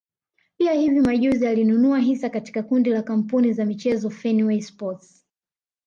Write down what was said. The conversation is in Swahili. Pia hivi majuzi alinunua hisa katika kundi la kampuni za michezo Fenway sports